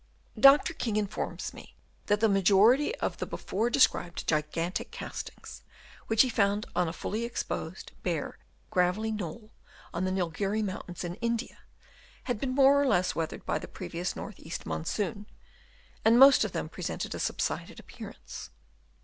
Dr. King informs me that the majority of the before described gigantic castings, which he found on a fully exposed, bare, gravelly knoll on the Nilgiri Mountains in India, had been more or less weathered by the previous north east monsoon ; and most of them pre sented a subsided appearance.